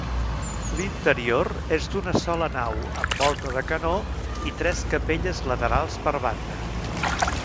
L'interior és d'una sola nau amb volta de canó i tres capelles laterals per banda.